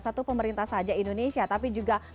satu pemerintah saja indonesia tapi juga